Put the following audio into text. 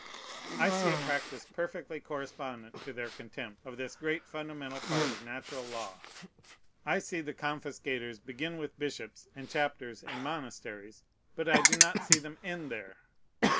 I see a practice perfectly correspondent to their contempt of this great fundamental part of natural law. I see the confiscators begin with bishops, and chapters, and monasteries; but I do not see them end there.